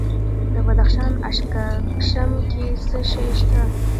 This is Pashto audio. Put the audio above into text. د بدخشان په اشکاشم کې څه شی شته؟